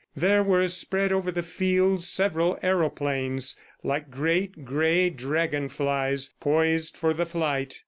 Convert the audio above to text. There were spread over the fields several aeroplanes, like great, gray dragon flies, poised for the flight.